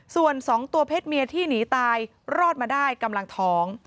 ส่วน๒ตัวเพศเมียที่หนีตายรอดมาได้กำลังท้อง